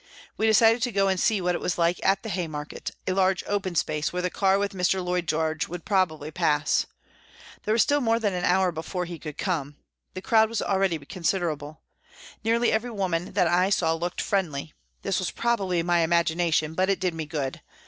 We decided to go and see what it was like at the Hay market, a large, open space, where the car with Mr. Lloyd George would probably pass. There was p. P 210 PRISONS AND PRISONERS still more than an hour before he could come. The crowd was already considerable. Nearly every woman that I saw looked friendly ; this was prob ably my imagination, but it did me good.